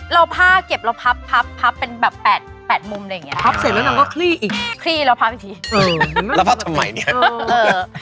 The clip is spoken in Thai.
เรากินจะแค่แค่อย่างนี้เลย